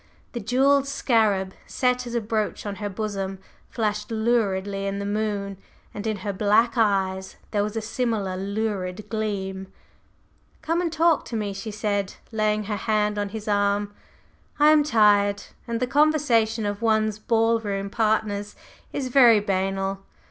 The jewelled scarab, set as a brooch on her bosom, flashed luridly in the moon, and in her black eyes there was a similar lurid gleam. "Come and talk to me," she said, laying her hand on his arm; "I am tired, and the conversation of one's ball room partners is very banal.